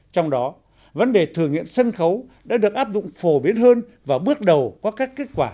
trong đó vấn đề thử nghiệm sân khấu đã được áp dụng phổ biến hơn và bước đầu qua các kết quả